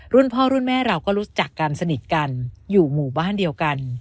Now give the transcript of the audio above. รุ่นพ่อรุ่นแม่เราก็รู้จักกันสนิทกันอยู่หมู่บ้านเดียวกัน